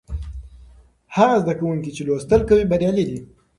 هغه زده کوونکي چې لوستل کوي بریالي دي.